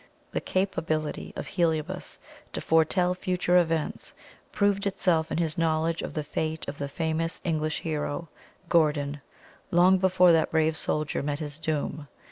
The capability of Heliobas to foretell future events proved itself in his knowledge of the fate of the famous English hero, Gordon, long before that brave soldier met his doom.